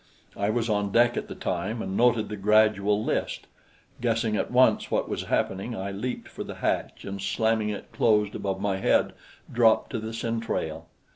I was on deck at the time and noted the gradual list. Guessing at once what was happening, I leaped for the hatch and slamming it closed above my head, dropped to the centrale.